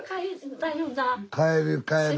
帰る帰る。